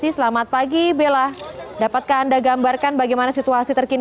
ini pihak dari rumah sakit